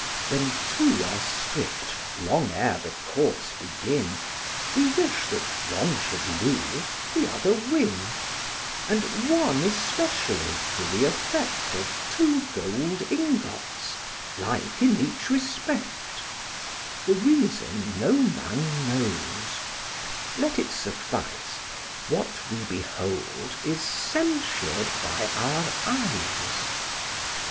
When two are stript long ere the course begin, We wish that one should lose, the other win; And one especially do we affect Of two gold ingots, like in each respect: The reason no man knows; let it suffice, What we behold is censur'd by our eyes.